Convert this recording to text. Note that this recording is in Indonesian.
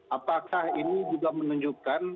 apakah ini juga menunjukkan